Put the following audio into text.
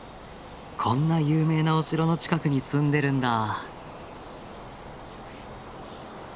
こんな有名なお城の近くに住んでるんだ。